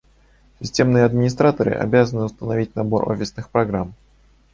Системные администраторы обязаны установить набор офисных программ